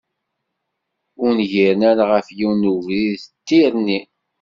Ur ngiren ara ɣef yiwen n ubrid, d tirni.